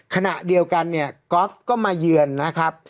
ขณะเดียวกันเนี่ยกอล์ฟก็มาเยือนนะครับ